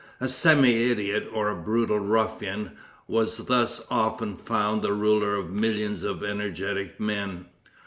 A semi idiot or a brutal ruffian was thus often found the ruler of millions of energetic men.